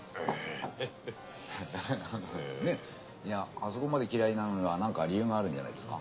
ねっいやあそこまで嫌いなのには何か理由があるんじゃないですか？